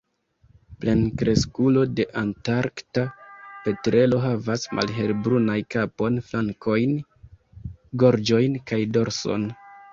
Plenkreskulo de Antarkta petrelo havas malhelbrunajn kapon, flankojn, gorĝon kaj dorson.